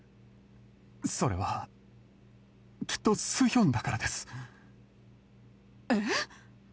それはきっとスヒョンだからですえっ？